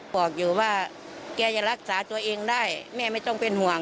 บอกอยู่ว่าแกจะรักษาตัวเองได้แม่ไม่ต้องเป็นห่วง